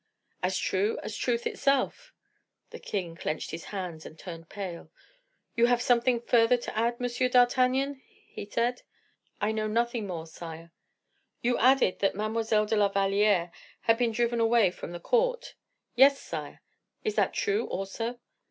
"As true as truth itself." The king clenched his hands, and turned pale. "You have something further to add, M. d'Artagnan?" he said. "I know nothing more, sire." "You added that Mademoiselle de la Valliere had been driven away from the court." "Yes, sire." "Is that true, also?"